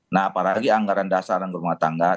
nah apalagi anggaran dasar dan rumah tangga